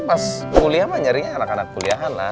pas kuliah mah nyaringnya anak anak kuliahan lah